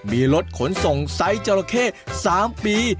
มีรถขนส่งไซส์จราเข้๓ปี